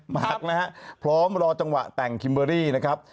มากนะฮะพร้อมรอจังหวะแต่งคิมเบอรี่นะครับ